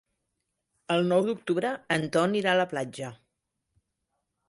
El nou d'octubre en Ton irà a la platja.